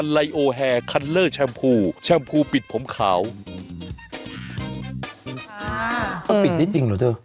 ต้องปิดนิดจริงเหรอเธอ